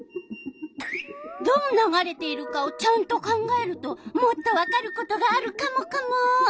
どう流れているかをちゃんと考えるともっとわかることがあるカモカモ！